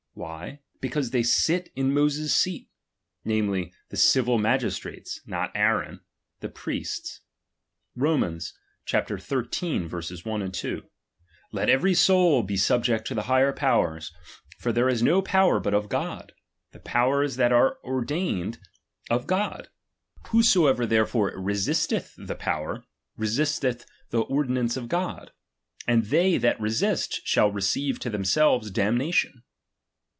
Why ? Because they sit in Moses' seat ; namely, the civil magistrate's, not Aaron, the priest's. Rom. xiii, 1, 2 : Let every soul be sub ject to the higher powers ; for there is no power but of God ; the powers that be are ordained of God ; whosoever therefore resisteth the power, resistetk the ordinance of God; and they that resist, shall receive to themselves damnation.